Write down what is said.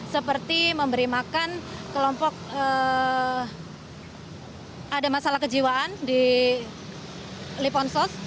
seperti memberi makan kelompok ada masalah kejiwaan di liponsos